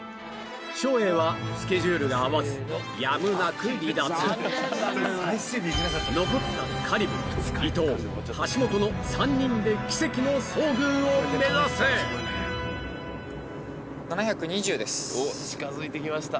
照英はスケジュールが合わずやむなく離脱残った香里武伊藤橋本の３人で７２０ですおっ近づいてきました